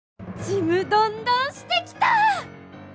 ちむどんどんしてきた！